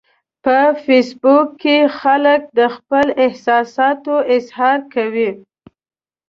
په فېسبوک کې خلک د خپلو احساساتو اظهار کوي